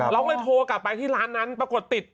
เราก็เลยโทรกลับไปที่ร้านนั้นปรากฏติด